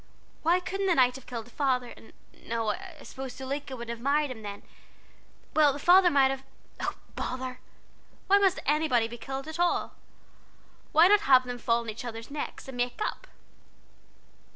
Why couldn't the knight have killed the father, and no, I suppose Zuleika wouldn't have married him then. Well, the father might have oh, bother! why must anybody be killed, anyhow? why not have them fall on each other's necks, and make up?"